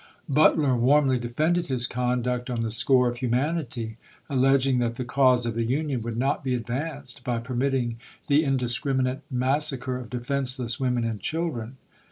Butler warmly defended his conduct on the score of humanity; alleging that the cause of the Union would not be advanced by permitting the indiscriminate massa cre of defenseless women and childi'en.